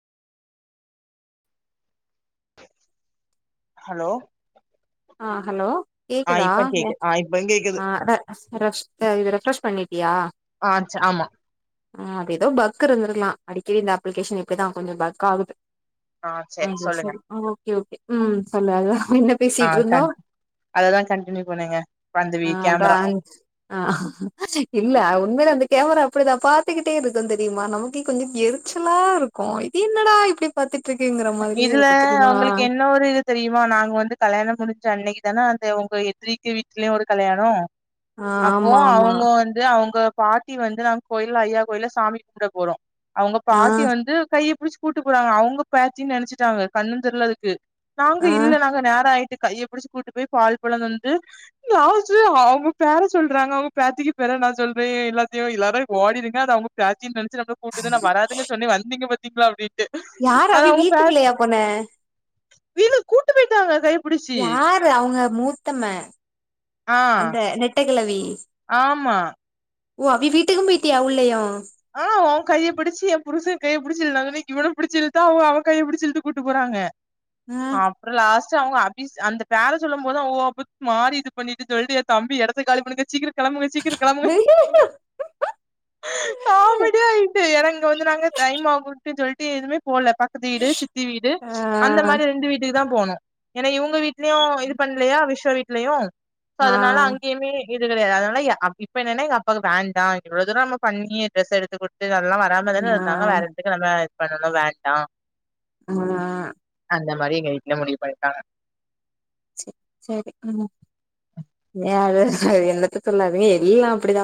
hello அ hello ஆ கேக்குதா இப்ப கேக்கு ஆ இப்ப கேக்குது அ ரெஸ் ரெஸ் ரெட்டெஸ் பன்னி யா ஆ ஆமா ஹ அ ஏதோ பக்கு இருந்துருக்கலா அடிக்கடி இந்த அப்ளிகேஷன் இப்படிதா கொஞ்ச பக் ஆகுது ஆ சரி ம் மிஸ் யூ சொல்லுங்க ம் ஓகே ஓகே ம் சொல்லு அதா என்ன பேசி ஆ டுர்ணோ கண் அததா கண்டினியூ பண்ணுங்க பந்தவி [unintelligible] கேமரா அ இல்ல உண்மைல வந்து கேமரா அப்டிதா பாத்துக்கிட்டே இருக்கு தெரியுமா நமக்கு கொஞ்சே எரிச்சலா இருக்கு இது என்னடா இப்புடி பாத்து இதுல அவுங்களுக்கு என்ன ஒரு இது தெரியுமா நாங்க வந்து கல்யாண முடிச் சோ அன்னைக்கு தானா அந்த உங்க எதிர்த்த வீட்டுலயு ஒரு கல்யாணோ ஆ அப்போ ஆமா ஆமா அவுங்க வந்து அவுங்கப் பாட்டி வந்து நாங்க கோயில் ஐயா கோயில சாமி கும்பிட போறோ அவுங்க ஆ பாட்டி வந்து கை பிடிச் கூட்டு போறங்க அவுங்கப் பாட்டி நெனைச்சிட்டாங்க கண்ணு தெரியல அதுக்கு நாங்க ஆ இல்ல நாங்க நேர ஆயித் கையப்பிடிச்சு கூட்டு போய் பால் பழ தந்து லாஸ்ட்ல அவங்க பேர சொல்றாங்க அவங்க பேத்திக பேர நான் சொல்றேன் எல்லாத்தியும் எல்லாரும் ஓடிடுங்க அது அவங்க பேத்தினு நம்ம கூட்டுது வராதுனு சொன்னேன் வந்தீங்க ப திப் ப வெ யார் ரவி வீட்டுக்குள்ளே ஏன் போன வீட்டுக்கு கூட்டிட்டு போய்ட்டாங்க யாரு அவங்க மூத்த மக ஆ அந்த நெட்டெக் குளவி ஆமா ஓ அப்டி வீட்டுக்கும் போயிட்டியா உள்ளயும் ம் ஓ அவன் கையை பிடிச்சு என் புருஷன் கைய புடிச்சுங்அன்னைக்கு இவனை புடிச்சி இழுத்தா அவங்க அவன் கையை புடிச்சு இழுத்துட்டு கூட்டு போறாங்க ஆ அஹ் அப்புறம் லாஸ்ட் அவங்க அபி அந்த பேரை சொல்ல போது அவ மாறி இது பண்ணிட்டு சொல்லிட்டு தம்பி இடத்த காலி பண்ணுங்க சீக்கிரம் கெளம்புங்க சீக்கிரம் கெளம்புங்க காமெடிய ஆயிட்டு என இங்க வந்து நாங்க டைம்ஆகும் சொல்லிட்டு எதுமே போல பக்கத்து வீடு சித்தி வீடு அந்த மாதிரி ஆ ரெண்டு வீடு தான் போகனும் ஏன்னா இவங்க வீட்லயும் இது பண்ணலையா விஸ்வ வீட்லயும் சோ ஆ அதனால அங்கயுமே இது கெடையாது அதனால என்னன்ன எங்க அப்பாக்கு வேண்டா இவ்வளவு தூரம் நம்ம பண்ணி டிரஸ் எடுத்து கொடுத்து இதெல்லாம் வராமதானே இருந்தாங்க வேற எதுக்கு நம்ம பணம்லாம் வேண்டாம் ஆஹ் அந்த மாதிரி எங்க வீட்டுல முடிவு பண்ணியிருக்காங்க சரி சரி எல்லாத்துக்கும் தானே எல்லாம் அப்படித்தான்